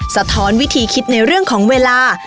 สะท้อนวิธีคิดในเรื่องของเวลา